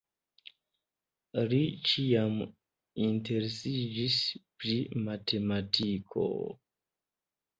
Li ĉiam interesiĝis pri matematiko.